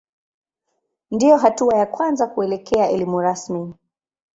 Ndiyo hatua ya kwanza kuelekea elimu rasmi.